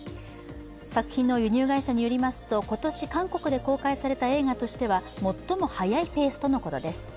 作品の輸入会社によりますと今年、韓国で公開された映画としては最も早いペースとのことです。